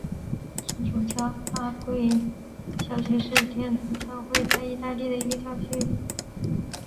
天主教阿奎教区是天主教会在义大利的一个教区。